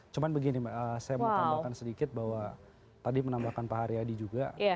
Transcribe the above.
cuma begini saya mau tambahkan sedikit bahwa tadi menambahkan pak haryadi juga